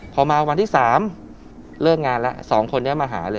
พอมาวันที่๓เลิกงานแล้ว๒คนนี้มาหาเลย